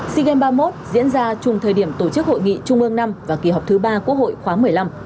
si game ba mươi một diễn ra chung thời điểm tổ chức hội nghị trung ương năm và kỳ họp thứ ba quốc hội khoáng một mươi năm